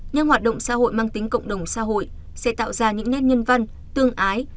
những hoạt động xã hội mang tính cộng đồng xã hội sẽ tạo ra những nét nhân văn tương ái